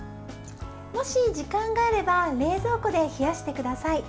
もし時間があれば冷蔵庫で冷やしてください。